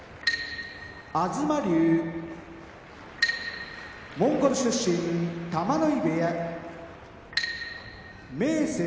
東龍モンゴル出身玉ノ井部屋明生